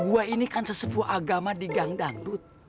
gue ini kan sesepuah agama di gangdangdut